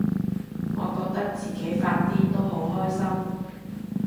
我覺得自己發癲都好開心